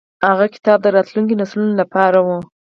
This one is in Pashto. هغه کتاب د راتلونکو نسلونو لپاره و.